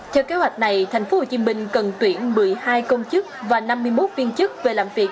theo kế hoạch này tp hcm cần tuyển một mươi hai công chức và năm mươi một viên chức về làm việc